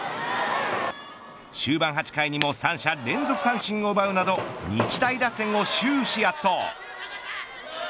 終盤８回にも三者連続三振を奪うなど日大打線を終始圧倒。